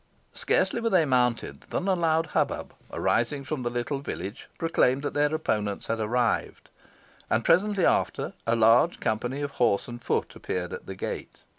Scarcely were they mounted than a loud hubbub, arising from the little village, proclaimed that their opponents had arrived, and presently after a large company of horse and foot appeared at the gate.